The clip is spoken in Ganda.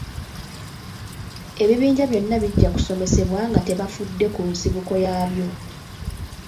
Ebibinja byonna bijja kusomesebwa nga tebafudde ku nsibuko yaabyo.